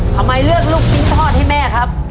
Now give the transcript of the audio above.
ทำไมเลือกลูกชิ้นทอดให้แม่ครับ